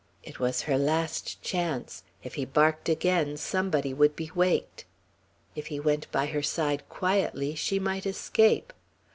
It was her last chance. If he barked again, somebody would be waked; if he went by her side quietly, she might escape.